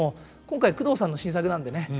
今回宮藤さんの新作なんでね